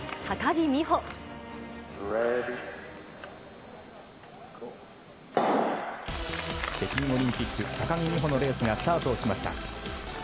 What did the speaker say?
北京オリンピック、高木美帆のレースがスタートしました。